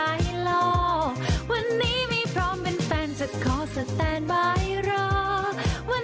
ไม่เชื่อไปฟังกันหน่อยค่ะ